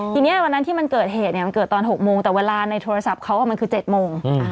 ทีนี้วันนั้นที่มันเกิดเหตุมันเกิดตอน๖โมงแต่เวลาในโทรศัพท์เขามันคือ๗โมง